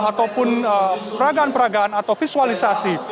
ataupun peragaan peragaan atau visualisasi